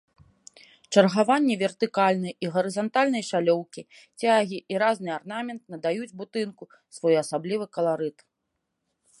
Чаргаванне вертыкальнай і гарызантальнай шалёўкі, цягі і разны арнамент надаюць будынку своеасаблівы каларыт.